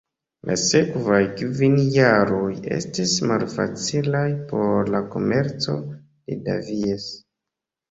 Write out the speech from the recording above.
La sekvaj kvin jaroj estis malfacilaj por la komerco de Davies.